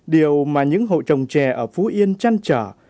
điều mà những hộ trồng chè ở phú yên trăn trở